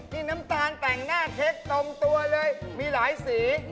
นี่น้ำตาลแต่งหน้าเค้กตรงตัวเลยมีหลายสี